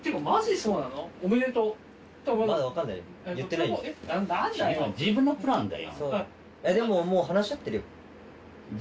そうだよ。